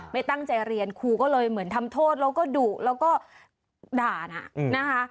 ไม่ตั้งใจเรียนครูก็เลยเหมือนทำโทษแล้วก็ดุแล้วก็ด่านะนะคะ